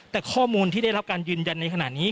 แต่ข้อมูลที่ได้รับการยืนยันในขณะนี้